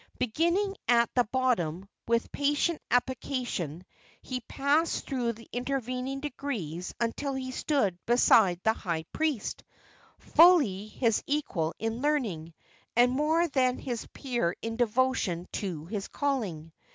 Beginning at the bottom, with patient application he passed through the intervening degrees until he stood beside the high priest, fully his equal in learning, and more than his peer in devotion to his calling.